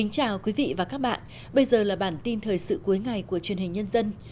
chào mừng quý vị đến với bản tin thời sự cuối ngày của truyền hình nhân dân